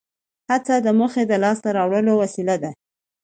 هڅه د موخې د لاس ته راوړلو وسیله ده.